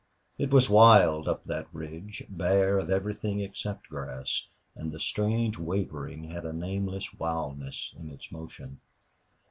It was wild up on that ridge, bare of everything except grass, and the strange wavering had a nameless wildness in its motion.